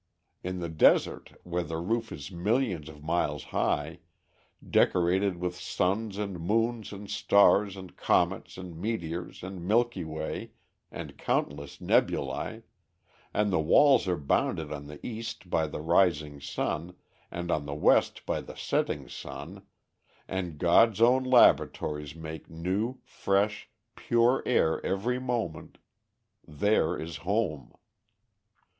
In the desert, where the roof is millions of miles high, decorated with suns and moons and stars and comets and meteors and Milky Way and countless nebulæ, and the walls are bounded on the east by the rising sun, and on the west by the setting sun, and God's own laboratories make new, fresh, pure air every moment there is home.